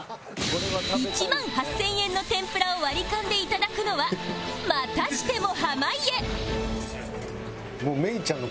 １万８０００円の天ぷらをワリカンで頂くのはまたしても濱家